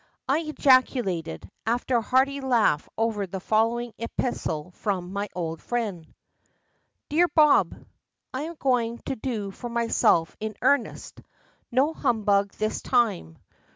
I ejaculated, after a hearty laugh over the following epistle from my old friend: "DEAR BOB, "I am going to do for myself in earnest; no humbug this time.